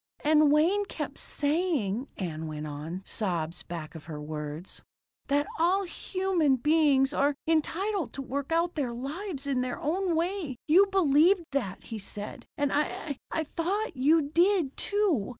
"And Wayne kept saying," Ann went on, sobs back of her words, "that all human beings are entitled to work out their lives in their own way. You believed that, he said. And I I thought you did, too.